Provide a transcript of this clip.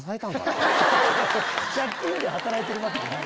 借金で働いてるわけじゃない。